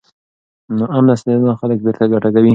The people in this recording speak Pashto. ناامنه ستنېدنه خلک بیرته کډه کوي.